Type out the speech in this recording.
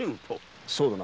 そうだな。